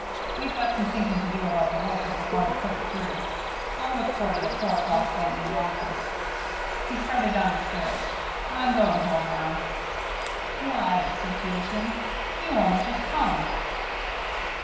"We've got some thinking to do about the work, if we're going to put it through. I'll look for you at four o'clock then, in the office." He started down the stairs. "I'm going home now." "Why," said Peterson, "you only just come."